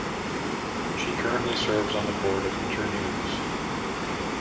She currently serves on the Board of Internews.